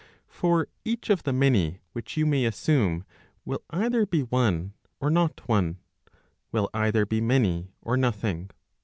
For each of the many which you may assume, will either be one, or not one, will either be many or nothing.